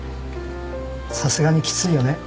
さすがにきついよね